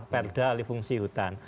perda alifungsi hutan